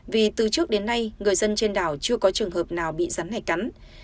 vì từ trước đến nay người dân trên đảo chưa có trường hợp nào bị rắn này cắn